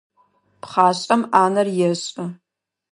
Пхъашӏэм ӏанэр ешӏы.